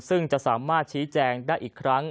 ซึ่งจะสามารถชี้แจงได้อีกครั้ง